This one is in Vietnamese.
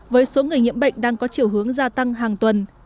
với số người nhiễm bệnh đang có chiều hướng gia tăng hàng tuần